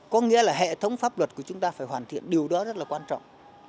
có nghĩa là hệ thống pháp luật của chúng ta phải hoàn thiện điều đó rất là quan trọng